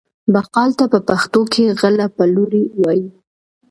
بقال ته په پښتو کې غله پلوری وايي.